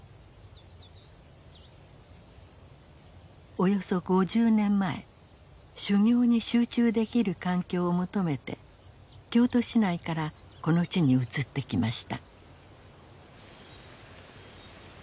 およそ５０年前修行に集中できる環境を求めて京都市内からこの地に移ってきました。